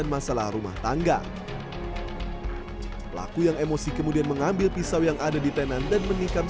masalah rumah tangga pelaku yang emosi kemudian mengambil pisau yang ada di tenan dan menikam